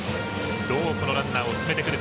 どうこのランナーを進めるか。